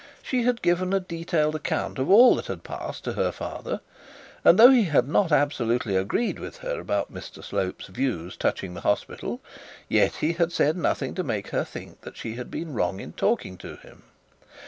She had given a detailed account of all that had passed to her father; and though he had not absolutely agreed with her about Mr Slope's views touching the hospital, yet he had said nothing to make her think that she had been wrong in talking to him.